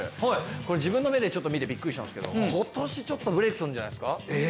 これ自分の目でちょっと見てびっくりしたんですけど今年ちょっとブレークするんじゃないすか。